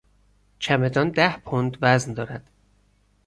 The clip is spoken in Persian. چمدان ده پوند وزن دارد.